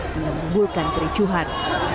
dan mengumpulkan kericuhan